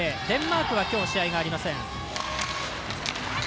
デンマークはきょう試合がありません。